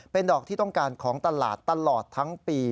เป็นดอกที่ต้องการของตลาดตลอดทั้งปี